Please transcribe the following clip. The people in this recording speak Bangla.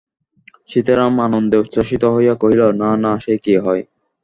সীতারাম আনন্দে উচ্ছ্বসিত হইয়া কহিল, না না, সে কি হয়?